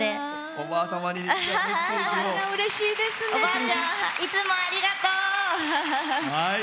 おばあちゃんいつもありがとう。